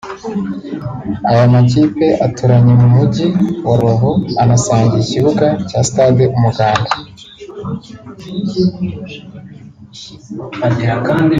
Aya makipe aturanye mu mujyi wa Rubavu anasangiye ikibuga cya Stade Umuganda